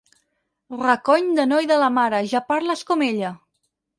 Recony de noi de la mare, ja parles com ella!